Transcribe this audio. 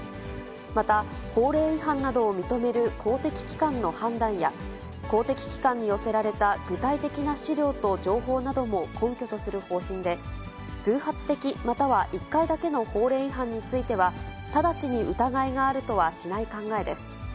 また、法令違反などを認める公的機関の判断や、公的機関に寄せられた具体的な資料と情報なども根拠とする方針で、偶発的または１回だけの法令違反については、直ちに疑いがあるとはしない考えです。